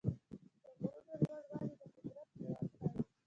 د غرونو لوړوالي د قدرت قوت ښيي.